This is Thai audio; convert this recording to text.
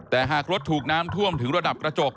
แต่หากรถถูกน้ำท่วมถึงระดับกระจก